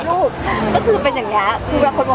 คุณถูกว่าคุณไม่คุยกับเรา